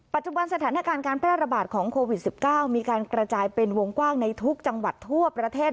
ปัจจุบันสถานการณ์การแพร่ระบาดของโควิด๑๙มีการกระจายเป็นวงกว้างในทุกจังหวัดทั่วประเทศ